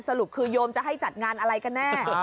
สรุปคือโยมจะให้จัดงานอะไรกันแน่